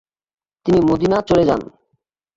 তিনি মদিনা চলে যান।